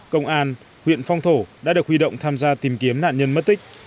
công an huyện phong thổ đã được huy động tham gia tìm kiếm nạn nhân mất tích